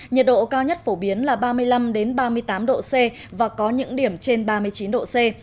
nhiệt độ cao nhất phổ biến là ba mươi năm ba mươi tám độ c và có những điểm trên ba mươi chín độ c